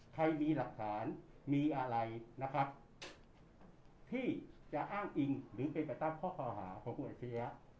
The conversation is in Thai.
ใครมีหลักฐานมีอะไรนะครับที่จะอ้างอิงหรือเป็นประตำข้อความอาหารของผู้อเชีย